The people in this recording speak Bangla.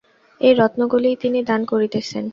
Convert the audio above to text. এই রত্নগুলিই তিনি দান করিতেছেন।